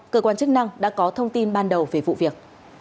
cơ quan chức năng đã có thông tin ban đầu về vụ việc